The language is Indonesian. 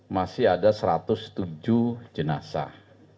masih ada satu ratus tujuh jenazah